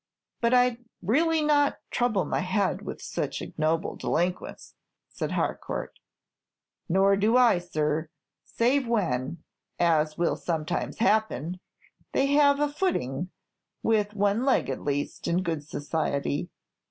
"But I 'd really not trouble my head with such ignoble delinquents," said Harcourt. "Nor do I, sir, save when, as will sometimes happen, they have a footing, with one leg at least, in good society.